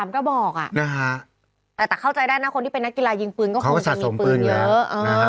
๑๓ก็บอกอะแต่เข้าใจได้นะคนที่เป็นนักกีฬายิงปืนก็คงสะสมปืนเยอะนะฮะ